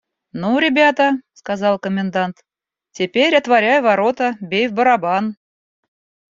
«Ну, ребята, – сказал комендант, – теперь отворяй ворота, бей в барабан.